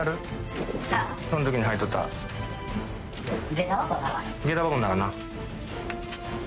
げた箱ん中な。